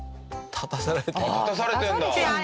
立たされてるんだ。